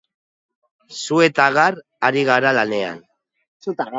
Su eta gar ari gara lanean.